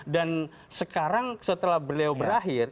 dan sekarang setelah beliau berakhir